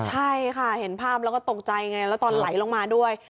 ใช่ค่ะเห็นภาพแล้วก็ตกใจไงแล้วตอนไหลลงมาด้วย